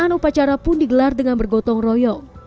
upacara pun digelar dengan bergotong royong